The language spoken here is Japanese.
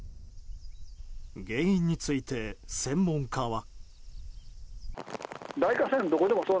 原因について専門家は。